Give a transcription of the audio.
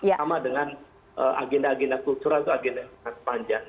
sama dengan agenda agenda kultural itu agenda yang sangat panjang